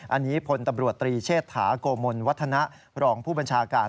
อันนี้พลตำรวจตรีเชษฐาโกมลวัฒนะรองผู้บัญชาการ